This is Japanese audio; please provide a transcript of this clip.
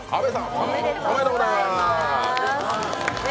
おめでとうございます。